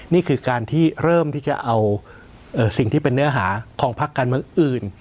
นี่คือการที่เริ่มที่จะเอาสิ่งที่เป็นเนื้อหาของพักการเมืองอื่น